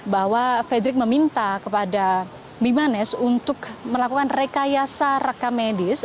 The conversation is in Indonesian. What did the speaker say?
bahwa frederick meminta kepada bimanes untuk melakukan rekayasa rekamedis